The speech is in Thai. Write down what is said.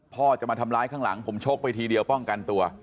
พ่อจะมาทำร้ายข้างหลังผมชกไปทีเดียวป้องกันตัว